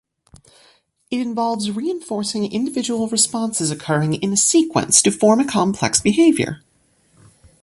It involves reinforcing individual responses occurring in a sequence to form a complex behavior.